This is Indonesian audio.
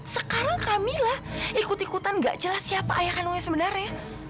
sekarang kamilah ikut ikutan gak jelas siapa ayah kandungnya sebenarnya